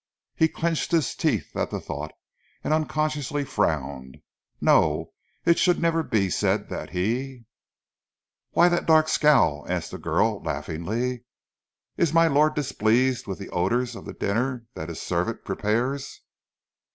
He clenched his teeth at the thought, and unconsciously frowned. No it should never be said that he "Why that dark scowl?" asked the girl laughingly. "Is my lord displeased with the odours of the dinner that his servant prepares?"